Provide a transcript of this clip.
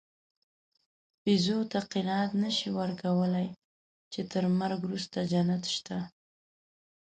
بیزو ته قناعت نهشې ورکولی، چې تر مرګ وروسته جنت شته.